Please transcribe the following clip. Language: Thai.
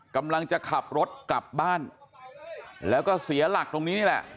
กำลังจะขับรถกลับบ้านแล้วก็เสียหลักตรงนี้นี่แหละ